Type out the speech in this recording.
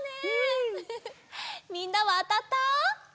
みんなはあたった？